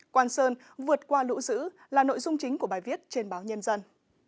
quang sơn vượt qua lũ giữ là nội dung chính của bài viết trên báo nhân dân